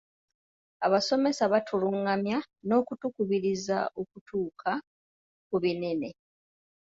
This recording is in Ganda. Abasomesa batulungamya n'okutukubiriza okutuuka ku binene.